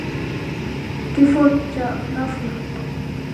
Kifo cha ghafla